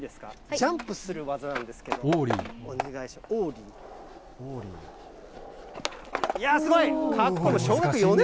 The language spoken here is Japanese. ジャンプする技なんですけど、お願いします。